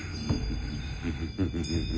フフフフフフフ。